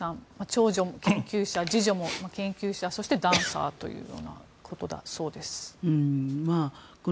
長女、研究者、次女も研究者そして、ダンサーということだそうです。